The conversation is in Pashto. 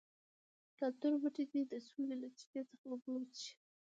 کلتور بوټي دې د سولې له چینې څخه اوبه وڅښي.